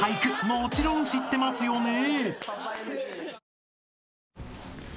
もちろん知ってますよね？］